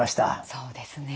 そうですね。